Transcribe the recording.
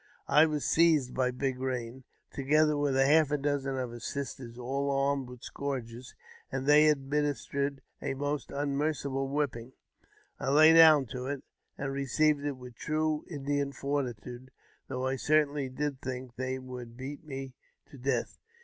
I was seized by Big Rain, together with half a dozen of his sisters, all armed with scourges, and they ad ministered a most unmerciful whipping. I lay down to it, and received it with true Indian fortitude, though I certainly did think they would beat me to death.